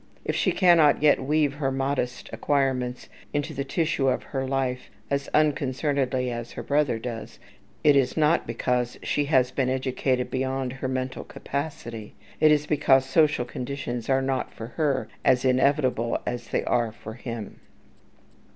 If she cannot yet weave her modest acquirements into the tissue of her life as unconcernedly as her brother does, it is not because she has been educated beyond her mental capacity: it is because social conditions are not for her as inevitable as they are for him.